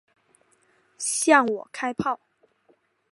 向我开炮！